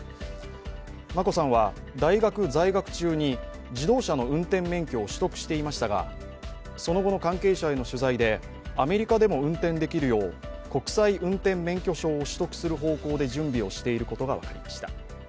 眞子さんは大学在学中に自動車の運転免許を取得していましたがその後の関係者への取材でアメリカでも運転できるよう、国際運転免許証を取得する方向で準備をしていることが分かりました。